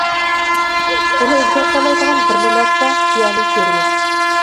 بۇنى ئۆزگەرتەلەيدىغان بىرلا نەرسە خىيالىي كۆرۈنۈش.